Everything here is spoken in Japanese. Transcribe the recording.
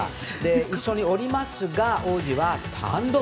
一緒に降りますが王子は単独。